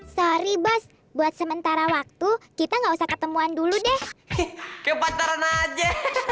sorry bas buat sementara waktu kita nggak usah ketemuan dulu deh ke pacaran aja